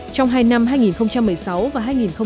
trong hai năm hai nghìn một mươi sáu và hai nghìn một mươi tám